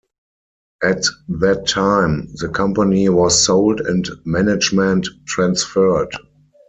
At that time, the company was sold and management transferred.